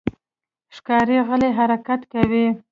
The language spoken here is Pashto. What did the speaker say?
ښکاري غلی حرکت کوي.